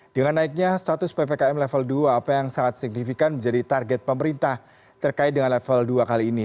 dengan naiknya status ppkm level dua apa yang sangat signifikan menjadi target pemerintah terkait dengan level dua kali ini